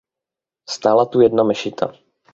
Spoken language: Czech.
Stála tu jedna mešita.